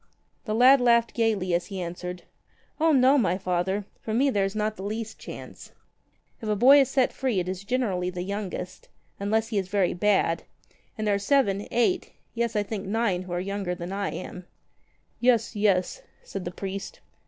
The lad laughed gaily as he answered: "O no, my Father. For me there is not the least chance. If a boy is set free it is generally the youngest — unless he is very bad — and there are seven — eight — yes, I think nine, who are younger than I am." "Yes, yes," said the priest.